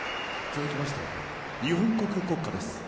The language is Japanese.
続きまして日本国国歌です。